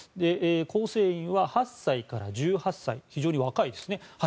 構成員は８歳から１８歳非常に若いですね。